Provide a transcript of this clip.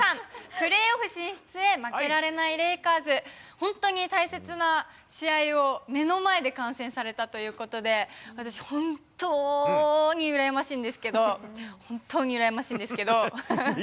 プレーオフ進出へ負けられないレイカーズ、本当に大切な試合を目の前で観戦されたということで、私、本当に羨ましいんですけど、本当に羨ましいんですけど。